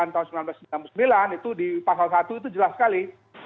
tahun seribu sembilan ratus sembilan puluh sembilan itu di pasal satu itu jelas sekali